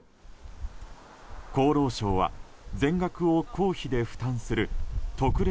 厚労省は全額を公費で負担する特例